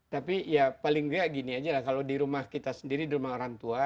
tapi ya paling nggak gini aja lah kalau di rumah kita sendiri di rumah orang tua